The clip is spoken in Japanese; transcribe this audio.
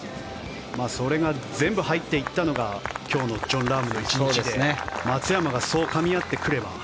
それが全部入っていったのが今日のジョン・ラームの１日で松山がそうかみ合ってくれば。